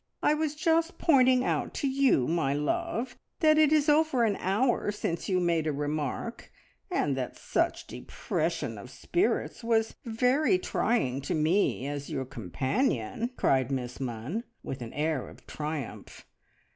I was just pointing out to you, my love, that it is over an hour since you made a remark, and that such depression of spirits was very trying to me as your companion," cried Miss Munns, with an air of triumph.